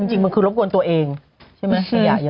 จริงมันคือรบกวนตัวเองใช่ไหมขยะเยอะ